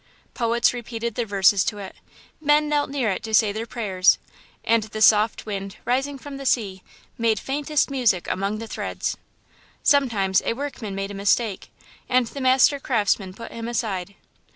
"Poets repeated their verses to it, men knelt near it to say their prayers, and the soft wind, rising from the sea, made faintest music among the threads. "Sometimes a workman made a mistake, and the Master Craftsman put him aside.